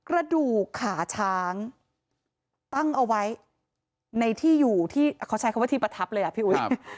กระดูกขาช้างตั้งเอาไว้ในที่อยู่ที่เขาใช้คำว่าที่ประทับเลยอ่ะพี่อุ๋ย